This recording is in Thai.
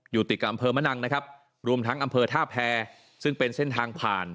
อยู่ติดกับอำเภอมะนังนะครับรวมทั้งอำเภอท่าแพรซึ่งเป็นเส้นทางผ่าน